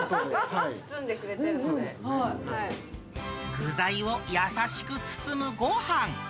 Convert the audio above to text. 具材を優しく包むごはん。